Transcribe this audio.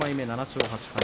７勝８敗。